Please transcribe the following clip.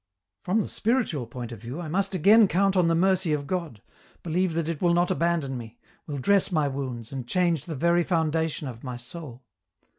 " From the spiritual point of view, I must again count on the mercy of God, believe that it will not abandon me, will 122 EN ROUTE. dress my wounds, and change the very foundation of my soul.